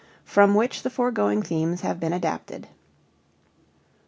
from which the foregoing themes have been adapted.